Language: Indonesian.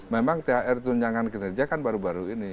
memang thr tunjangan kinerja kan baru baru ini